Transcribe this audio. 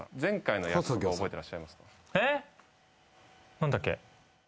何だっけ？